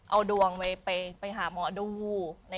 เอาดวงไปหาหมอดู